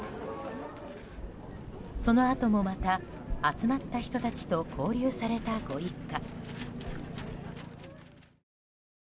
そのあともまた、集まった人と交流されたご一家。